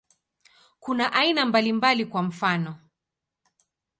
Kuna aina mbalimbali, kwa mfano.